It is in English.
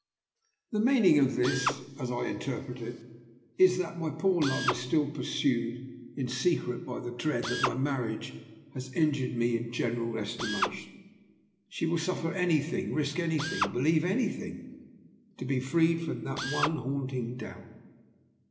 "The meaning of this, as I interpret it, is that my poor love is still pursued in secret by the dread that my marriage has injured me in the general estimation. She will suffer anything, risk anything, believe anything, to be freed from that one haunting doubt.